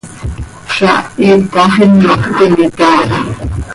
Zaah iitax imac cöimitai.